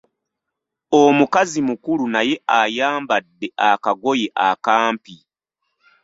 Omukazi mukulu naye ayambadde akagoye akampi.